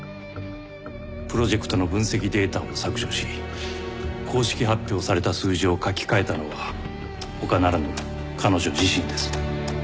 プロジェクトの分析データを削除し公式発表された数字を書き換えたのは他ならぬ彼女自身です。